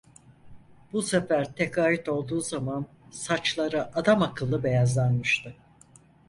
Bu sefer tekaüt olduğu zaman saçları adamakıllı beyazlanmıştı.